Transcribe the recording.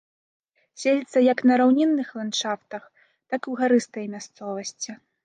Селіцца як на раўнінных ландшафтах, так і ў гарыстай мясцовасці.